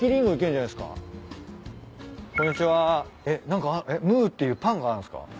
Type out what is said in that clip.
えっ何かムーっていうパンがあるんすか？